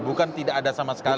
bukan tidak ada sama sekali